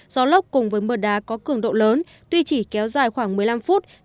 gió lốc cùng với mưa đá có cường độ lớn tuy chỉ kéo dài khoảng một mươi năm phút